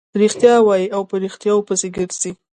رښتیا وايي او په ريښتیاوو پسې ګرځي.